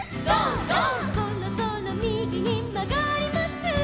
「そろそろみぎにまがります」